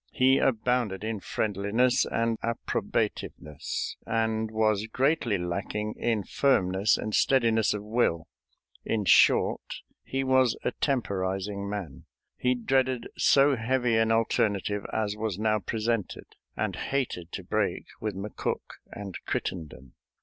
He abounded in friendliness and approbativeness, and was greatly lacking in firmness and steadiness of will. In short, he was a temporizing man; he dreaded so heavy an alternative as was now presented, and hated to break with McCook and Crittenden.